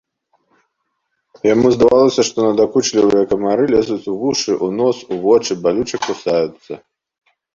Яму здавалася, што надакучлівыя камары лезуць у вушы, у нос, у вочы, балюча кусаюцца.